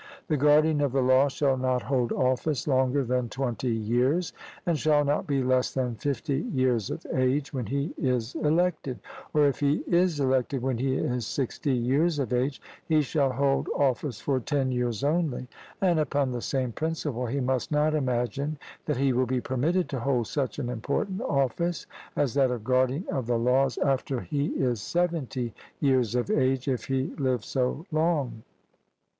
The guardian of the law shall not hold office longer than twenty years, and shall not be less than fifty years of age when he is elected; or if he is elected when he is sixty years of age, he shall hold office for ten years only; and upon the same principle, he must not imagine that he will be permitted to hold such an important office as that of guardian of the laws after he is seventy years of age, if he live so long.